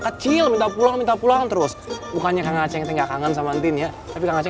kecil minta pulang minta pulang terus bukannya kang aceh tidak kangen sama ntinnya tapi kagetan